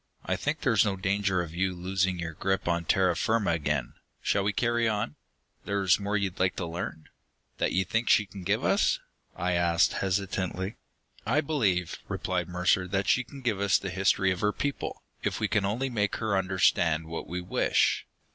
"I think there's no danger of you losing your grip on terra firma again. Shall we carry on?" "There's more you'd like to learn? That you think she can give us?" I asked hesitantly. "I believe," replied Mercer, "that she can give us the history of her people, if we can only make her understand what we wish.